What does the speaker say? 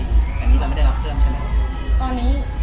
อันนี้เราไม่ได้รับเพิ่มใช่ไหม